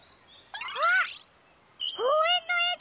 あっこうえんのえだ！